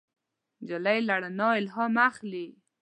نجلۍ له رڼا الهام اخلي.